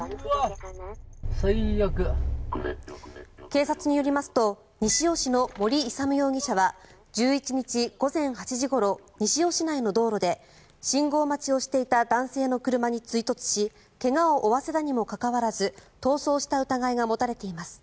警察によりますと西尾市の盛勇容疑者は１１日午前８時ごろ西尾市内の道路で信号待ちをしていた男性の車に追突し怪我を負わせたにもかかわらず逃走した疑いが持たれています。